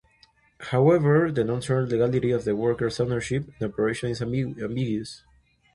However, the long term legality of the worker's ownership and operation is ambiguous.